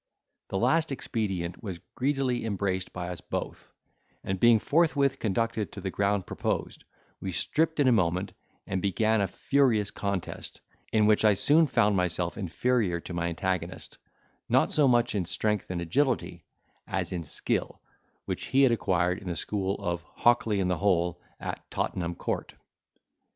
The last expedient was greedily embraced by us both; and, being forthwith conducted to the ground proposed, we stripped in a moment, and began a furious contest, in which I soon found myself inferior to my antagonist, not so much in strength and agility, as in skill, which he had acquired in the school of Hockley in the Hole at Tottenham court.